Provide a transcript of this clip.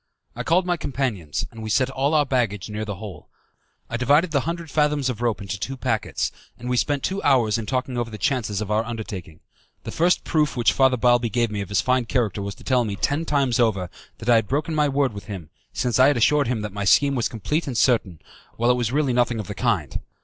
I called my companions, and we set all our baggage near the hole. I divided the hundred fathoms of rope into two packets, and we spent two hours in talking over the chances of our undertaking. The first proof which Father Balbi gave me of his fine character was to tell me, ten times over, that I had broken my word with him, since I had assured him that my scheme was complete and certain, while it was really nothing of the kind.